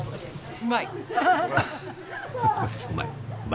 うまい！